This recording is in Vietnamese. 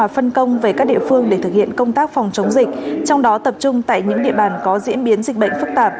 phân công về các địa phương để thực hiện công tác phòng chống dịch trong đó tập trung tại những địa bàn có diễn biến dịch bệnh phức tạp